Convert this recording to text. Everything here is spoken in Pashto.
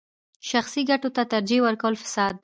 شخصي ګټو ته ترجیح ورکول فساد دی.